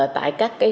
tại các cái